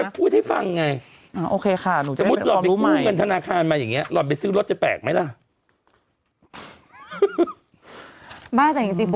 เป็นเงินเก็บออมไว้หรือเปล่า